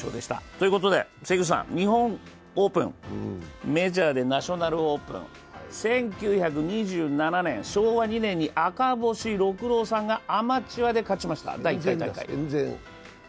ということで、関口さん、日本オープン、メジャーでナショナルオープン、１９２７年、昭和２年に赤星六郎さんがアマチュアで勝ちました。